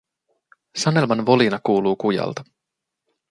Sanelman volina kuuluu kujalta.